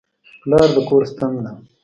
پلار د کور ستن ده.